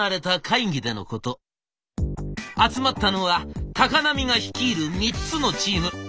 集まったのは高波が率いる３つのチーム。